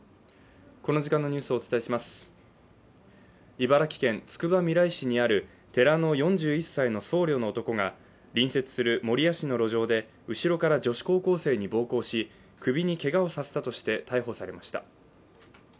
茨城県つくばみらい市にある寺の４１歳の僧侶の男が隣接する守谷市の路上で後ろから女子高校生に暴行し、首にけがをさせたとして逮捕されました。